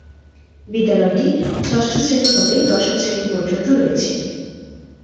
বিদ্যালয়টি ষষ্ঠ শ্রেণী হতে দশম শ্রেণী পর্যন্ত রয়েছে।